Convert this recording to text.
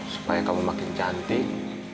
supaya kamu makin cantik